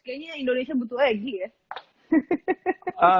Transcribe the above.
kayaknya indonesia butuh egy ya